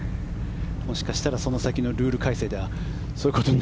もしかしたらその先のルール改正ではそういうことも。